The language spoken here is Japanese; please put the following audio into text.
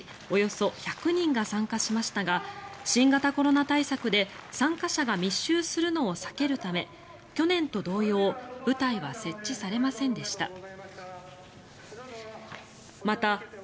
およそ１００人が参加しましたが新型コロナ対策で参加者が密集するのを避けるため去年と同様舞台は設置されませんでした。